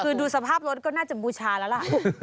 คือดูสภาพรถก็น่าจะบูชาแล้วล่ะ